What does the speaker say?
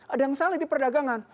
ada yang salah di perdagangan